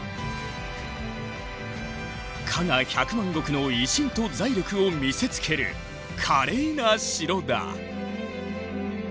加賀百万石の威信と財力を見せつける華麗な城だ。